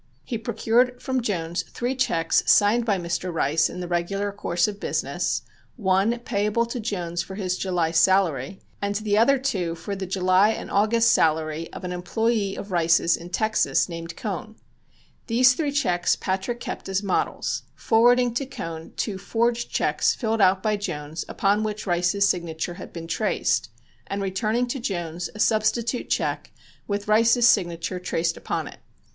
He procured from Jones three checks signed by Mr. Rice in the regular course of business, one payable to Jones for his July salary and the other two for the July and August salary of an employee of Rice's in Texas named Cohn. These three checks Patrick kept as models, forwarding to Cohn two forged checks filled out by Jones upon which Rice's signature had been traced, and returning to Jones a substitute check with Rice's signature traced upon it.